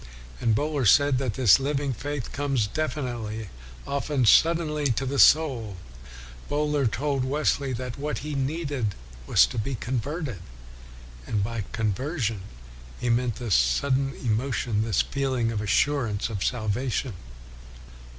And Bohler said that this living faith comes definitely, often suddenly, into the soul. Bohler told Wesley that what he needed was to be converted, and by conversion he meant this sudden emotion, this feeling of assurance of salvation.